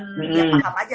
dia paham aja